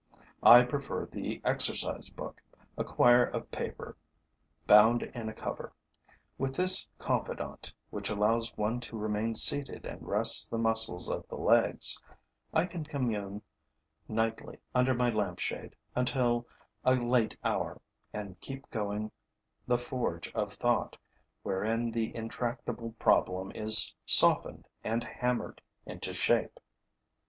I prefer the exercise book, a quire of paper bound in a cover. With this confidant, which allows one to remain seated and rests the muscles of the legs, I can commune nightly under my lampshade, until a late hour, and keep going the forge of thought wherein the intractable problem is softened and hammered into shape.